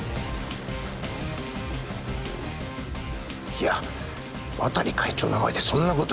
いや渡利会長の前でそんなこと